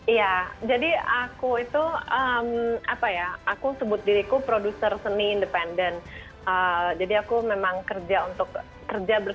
iya jadi aku itu apa ya aku sebut diriku produser seni independen jadi aku memang kerja untuk kerja bersama dengan ibu dan kakak dan pokoknya dan benar benar mempunyai kerja yang benar